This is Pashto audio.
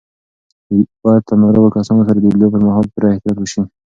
باید له ناروغو کسانو سره د لیدو پر مهال پوره احتیاط وشي.